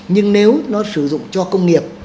nhưng nếu nó sử dụng cho công nghiệp